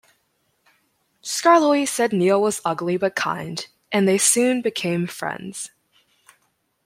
Skarloey said Neil was ugly but kind, and they soon became friends.